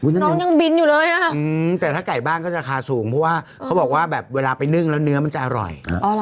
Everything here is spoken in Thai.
น้องยังบินอยู่เลยแต่ถ้าไก่บ้านก็จะราคาสูงเพราะว่าเขาบอกว่าแบบเวลาไปนึ่งแล้วเนื้อมันจะอร่อย